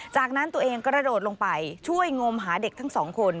จากนั้นตัวเองกระโดดลงไปช่วยงมหาเด็กทั้งสองคน